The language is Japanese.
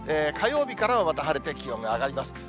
火曜日からはまた晴れて、気温が上がります。